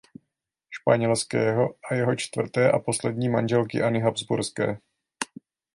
Španělského a jeho čtvrté a poslední manželky Anny Habsburské.